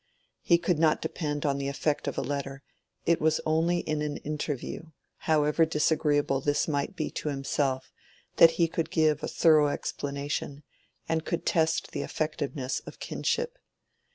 He could not depend on the effect of a letter; it was only in an interview, however disagreeable this might be to himself, that he could give a thorough explanation and could test the effectiveness of kinship.